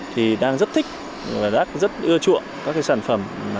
thì đang rất thích và rất ưa chuộng các cái sản phẩm